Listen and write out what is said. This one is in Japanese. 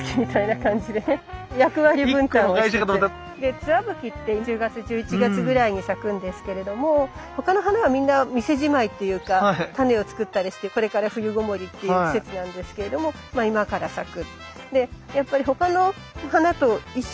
ツワブキって１０月１１月ぐらいに咲くんですけれども他の花はみんな店じまいっていうかタネを作ったりしてこれから冬ごもりっていう季節なんですけれどもまあ今から咲く。